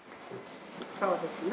そうですね。